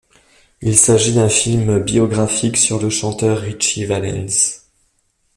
Il s'agit d'un film biographique sur le chanteur Ritchie Valens.